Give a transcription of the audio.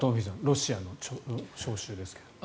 ロシアの招集ですけども。